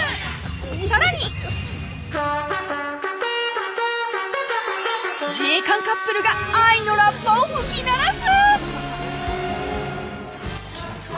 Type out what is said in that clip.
さらに自衛官カップルが愛のラッパを吹き鳴らす！